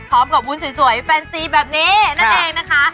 พร้อมกับวุญสวยแฟนซีแบบนี้นั่นเองนะคะ